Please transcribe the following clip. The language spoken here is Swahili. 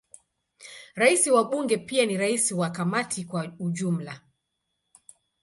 Rais wa Bunge pia ni rais wa Kamati kwa ujumla.